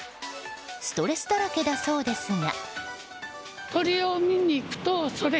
ストレスだらけだそうですが。